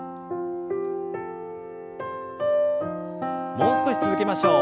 もう少し続けましょう。